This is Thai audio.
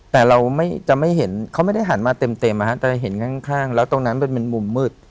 แต่เราจะไม่เห็นเขาไม่ได้หันมาเต็มแต่เห็นข้างแล้วตรงนั้นเป็นมุมมืด